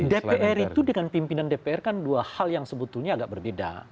dpr itu dengan pimpinan dpr kan dua hal yang sebetulnya agak berbeda